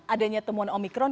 adanya temuan omikron